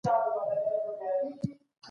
تاسو باید خپلو ماشومانو ته خپل تاریخ وروښایاست.